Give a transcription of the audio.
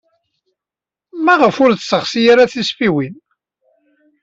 Maɣef ur yesseɣsi ara tisfiwin?